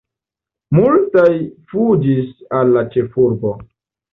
Multaj fuĝis al la ĉefurbo.